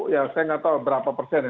ya saya nggak tahu berapa persen ya